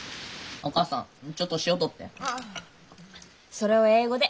それを英語で。